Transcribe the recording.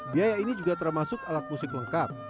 biaya ini juga termasuk alat musik lengkap